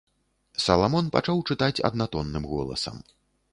Саламон пачаў чытаць аднатонным голасам.